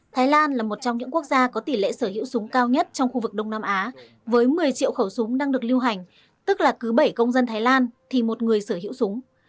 thái lan là một trong những quốc gia có tỷ lệ sở hữu súng cao nhất trong khu vực đông nam á với một mươi triệu khẩu súng đang được lưu hành tức là cứ bảy công dân thái lan thì một người sở hữu súng